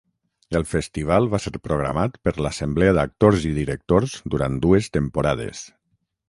El festival va ser programat per l'Assemblea d'Actors i Directors durant dues temporades.